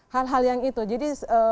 hal hal yang itu jadi